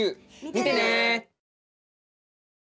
見てね！